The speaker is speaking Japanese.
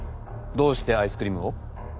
どうしてアイスクリームを？